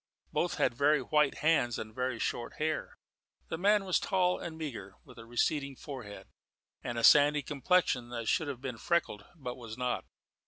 Both had very white hands and very short hair. The man was tall and meagre, with a receding forehead and a sandy complexion that should have been freckled, but was not.